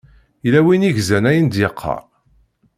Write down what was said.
Yella win yegzan ayen d-yeqqar.